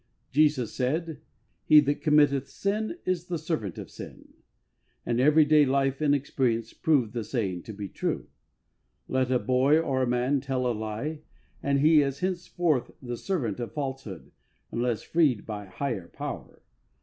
Jesus said, He that committeth sin is the servant of sin," and every day life and experience prove the saying to be true. Let a boy or a man tell a lie and he is henceforth the servant of falsehood unless freed by a higher power.